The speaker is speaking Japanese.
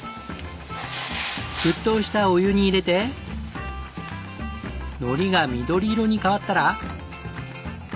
沸騰したお湯に入れて海苔が緑色に変わったら。